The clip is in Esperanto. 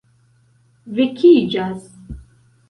vekiĝas